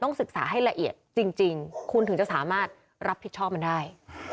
ศึกษาให้ละเอียดจริงคุณถึงจะสามารถรับผิดชอบมันได้